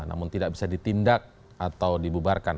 namun tidak bisa ditindak atau dibubarkan